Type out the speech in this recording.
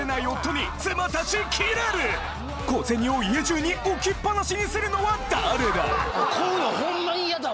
小銭を家中に置きっぱなしにするのは誰だ？